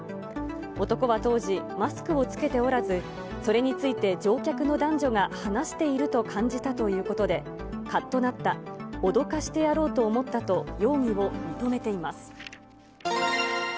男は当時、マスクを着けておらず、それについて乗客の男女が話していると感じたということで、かっとなった、脅かしてやろうと思ったと、容疑を認めています。